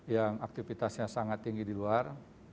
yang aktivitasnya sangat tinggi di luar